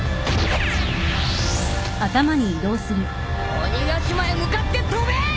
鬼ヶ島へ向かって飛べ！